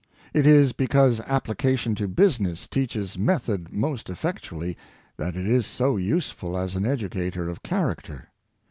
It is because application to business teaches method most effectually, that it is so useful as an educator of character.